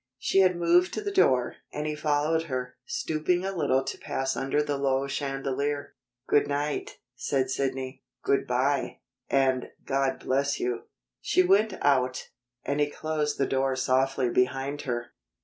She had moved to the door, and he followed her, stooping a little to pass under the low chandelier. "Good night," said Sidney. "Good bye and God bless you." She went out, and he closed the door softly behind her.